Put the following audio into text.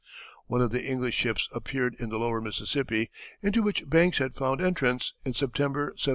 One of the English ships appeared in the lower Mississippi, into which Banks had found entrance, in September, 1700.